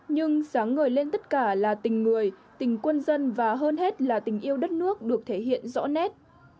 nhưng sáng ngời lên tất cả là tình người tình quân dân và hơn hết là tình yêu đất nước được thể hiện rõ nét